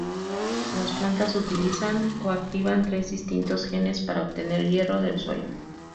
Las plantas utilizan o activan tres distintos genes para obtener hierro del suelo.